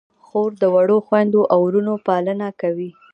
خور د وړو خویندو او وروڼو پالنه کوي.